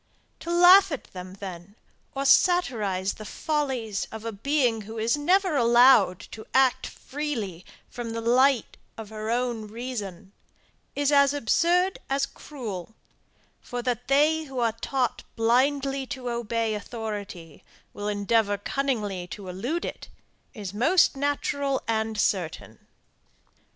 To laugh at them then, or satirize the follies of a being who is never to be allowed to act freely from the light of her own reason, is as absurd as cruel; for that they who are taught blindly to obey authority, will endeavour cunningly to elude it, is most natural and certain.